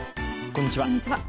こんにちは。